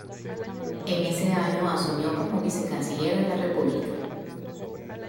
En ese año asumió como vicecanciller de la República.